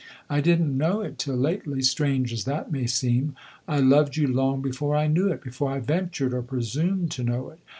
I did n't know it till lately strange as that may seem. I loved you long before I knew it before I ventured or presumed to know it.